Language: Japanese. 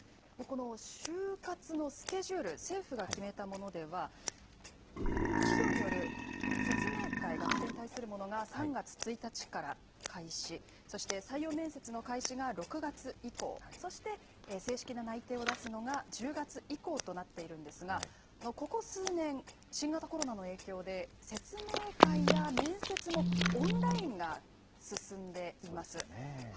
この就活のスケジュール、政府が決めたものでは、企業による説明会、学生に対するものが３月１日から開始、そして、採用面接の開始が６月以降、そして、正式な内定を出すのが１０月以降となっているんですが、ここ数年、新型コロナの影響で、説明会や面接もオンラインが進んでいます。